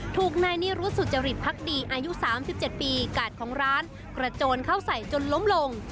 ถูกนายนิรุธสุจริตพักดีอายุ๓๗ปีกาดของร้านกระโจนเข้าใส่จนล้มลง